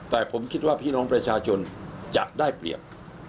แต่ผมคิดว่าพี่น้องประชาชนจะได้เปรียบ